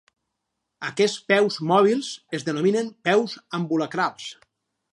Aquests peus mòbils es denominen peus ambulacrals.